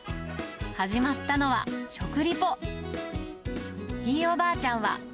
始まったのは、食レポ。